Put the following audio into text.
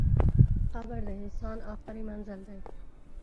قبر د انسان اخري منزل دئ.